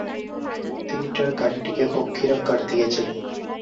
তিনি তাঁর গাড়িটিকে পক্ষীর আকার দিয়েছিলেন।